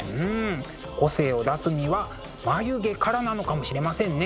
個性を出すには眉毛からなのかもしれませんね。